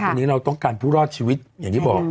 วันนี้เราต้องการผู้รอดชีวิตอย่างที่บอก